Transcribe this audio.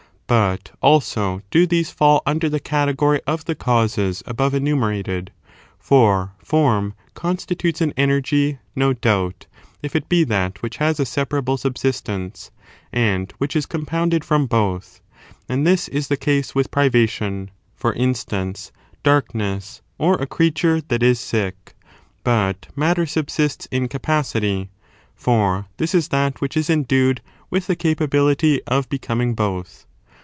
But also do these fall igider the category of the causes above enumerated; for form consti tutes an energy, no doubt, if it be that which has a separable subsistence, aud which is compounded from both : and this is the case with privation, — for instance, darkness, or a creati that is sick ; but matter subsists in capacity, for this is thai which is endued with the capability of becoming both.